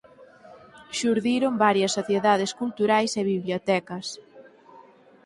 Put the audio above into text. Xurdiron varias sociedades culturais e bibliotecas.